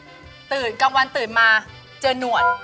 ตื่นเหมือนกลางวันตื่นมาเจอหน่วน